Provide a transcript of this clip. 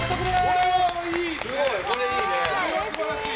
これは素晴らしい。